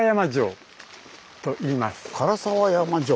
唐沢山城。